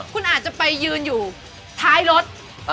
คุณอาจจะไปยืนอยู่ท้ายรถ